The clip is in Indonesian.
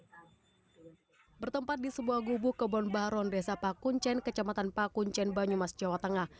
hai bertempat di sebuah gubuk kebun baron desa pakuncen kecamatan pakuncen banyumas jawa tengah